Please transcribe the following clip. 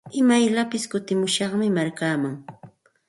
Imayllapis kutimushaqmi markaaman.